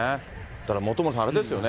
だから本村さん、あれですよね、